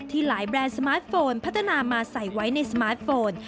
หลายแบรนด์สมาร์ทโฟนพัฒนามาใส่ไว้ในสมาร์ทโฟน